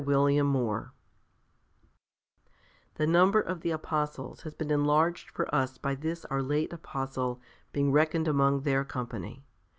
———————————— The number of the Apostles has been enlarged for us by this our late Apostle being reckoned among their company.